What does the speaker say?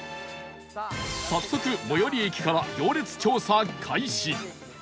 早速最寄り駅から行列調査開始